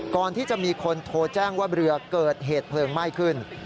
ก่อนที่จะมีคนโทรแจ้งว่าเรือเกิดเหตุเพลิงไหม้ขึ้น